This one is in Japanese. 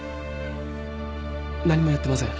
何もやってません。